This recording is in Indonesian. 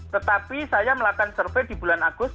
tetapi saya melakukan survei di bulan agustus